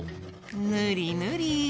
ぬりぬり。